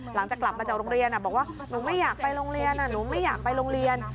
หลังจากกลับมาจากโรงเรียนบอกว่าหนูไม่อยากไปโรงเรียน